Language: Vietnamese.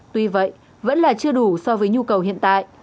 tuy vậy vẫn là chưa đủ so với nhu cầu hiện tại